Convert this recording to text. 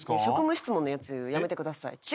職務質問のやつやめてください。